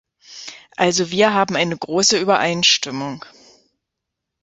Also wir haben eine große Übereinstimmung.